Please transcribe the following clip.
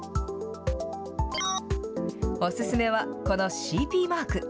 お勧めは、このＣＰマーク。